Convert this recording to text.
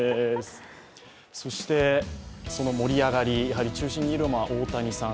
そして、その盛り上がりやはり中心にいるのは大谷さん、